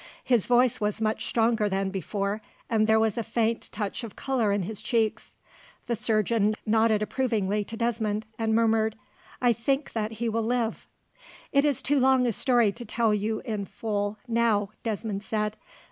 His voice was much stronger than before, and there was a faint touch of colour in his cheeks. The surgeon nodded approvingly to Desmond, and murmured, "I think that he will live." "It is too long a story to tell you in full, now," Desmond said.